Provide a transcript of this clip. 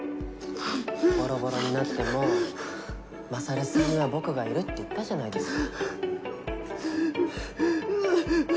ボロボロになっても勝さんには僕がいるって言ったじゃないですか。